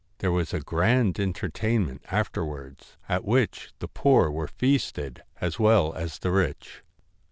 There was a grand enter tainment afterwards, at which the poor were feasted as well as the rich.